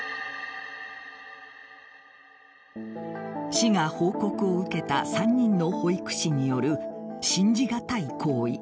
市が報告を受けた３人の保育士による信じがたい行為。